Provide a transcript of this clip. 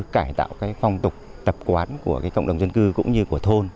cải tạo phong tục tập quán của cộng đồng dân cư cũng như của thôn